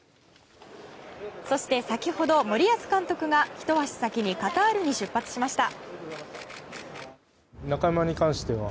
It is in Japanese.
そして、先ほど森保監督がひと足先にカタールに出発しました。